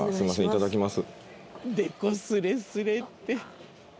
いただきます